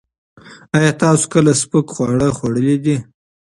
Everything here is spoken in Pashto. ایا تاسو کله سپک خواړه خوړلي دي؟